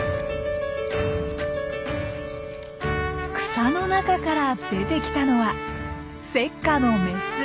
草の中から出てきたのはセッカのメス。